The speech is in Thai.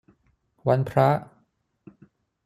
วันพระ